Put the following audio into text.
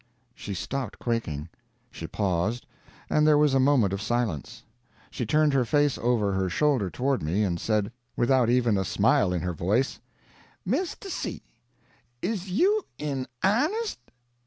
She stopped quaking. She paused, and there was moment of silence. She turned her face over her shoulder toward me, and said, without even a smile in her voice: "Misto C , is you in 'arnest?"